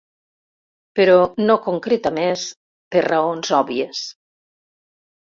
Però no concreta més, per raons òbvies.